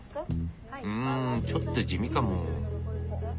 んちょっと地味かも。